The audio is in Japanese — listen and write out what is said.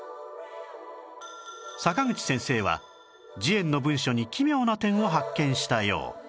坂口先生は慈円の文書に奇妙な点を発見したよう